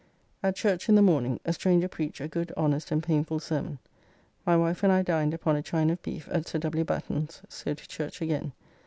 At church in the morning, a stranger preached a good honest and painfull sermon. My wife and I dined upon a chine of beef at Sir W. Batten's, so to church again.